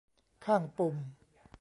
ข้างปุ่ม